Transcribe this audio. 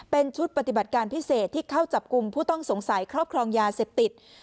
เป็นชุดปฏิบัติการพิเศษที่เข้าจับกลุ่มผู้ต้องสงสัยครอบครองยาเสพติด